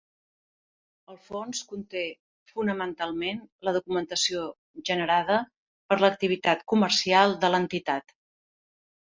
El fons conté fonamentalment la documentació generada per l’activitat comercial de l’entitat.